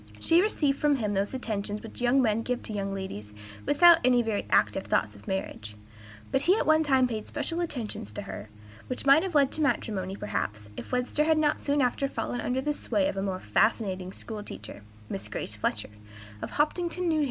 She received from him those attentions which young men give to young ladies without any very active thoughts of marriage; but he at one time paid special attentions to her, which might have led to matrimony, perhaps, if Webster had not soon after fallen under the sway of a more fascinating school teacher, Miss Grace Fletcher, of Hopkinton, N. H.